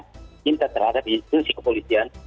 minta terhadap institusi kepolisian